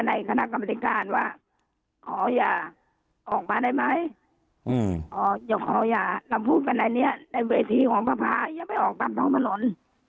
เห็นกันในคณะกรรมดิการว่าขออย่าออกมาได้ไหมอย่าขออย่าเราพูดกันในนี้ในเวทีของพระภาพยังไม่ออกตามท้องถนน